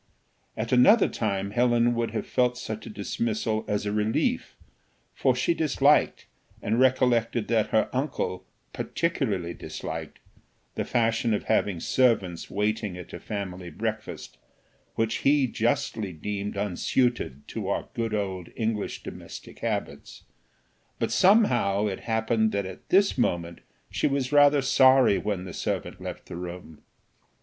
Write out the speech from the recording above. At another time Helen would have felt such a dismissal as a relief, for she disliked, and recollected that her uncle particularly disliked, the fashion of having servants waiting at a family breakfast, which he justly deemed unsuited to our good old English domestic habits; but somehow it happened that at this moment she was rather sorry when the servant left the room.